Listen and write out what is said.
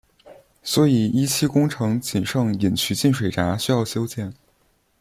所以一期工程仅剩引渠进水闸需要修建。